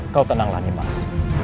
kau tenanglah nimas